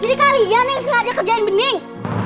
jadi kalian yang sengaja kerjain bening